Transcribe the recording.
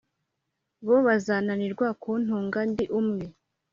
bo bazananirwa kuntunga ndi umwe?